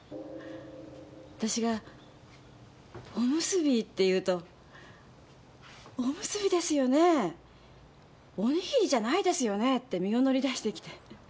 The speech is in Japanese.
私が「おむすび！」って言うと「おむすびですよねぇ？」「おにぎりじゃないですよねぇ」って身を乗り出してきて。